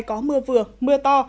có mưa vừa mưa to